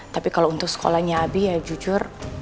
tapi kalau untuk sekolahnya abi ya jujur